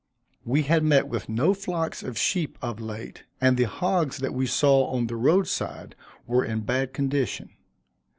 We had met with no flocks of sheep of late, and the hogs that we saw on the road side were in bad condition.